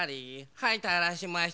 はいたらしました。